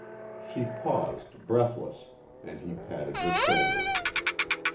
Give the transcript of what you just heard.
She paused, breathless, and he patted her shoulder.